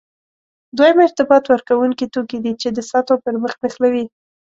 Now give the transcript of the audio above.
دویم ارتباط ورکوونکي توکي دي چې د سطحو پرمخ نښلوي.